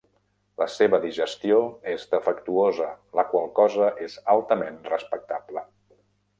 La seva digestió és defectuosa, la qual cosa és altament respectable.